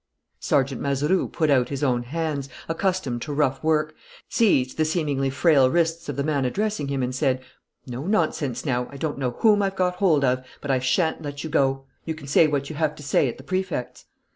Sergeant Mazeroux put out his own hands, accustomed to rough work, seized the seemingly frail wrists of the man addressing him and said: "No nonsense, now. I don't know whom I've got hold of, but I shan't let you go. You can say what you have to say at the Prefect's."